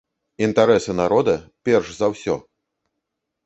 Інтарэсы народа перш за ўсё!